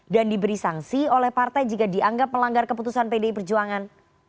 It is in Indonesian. dan diberi sangsi oleh partai jika dianggap melanggar keputusan pdi perjuangan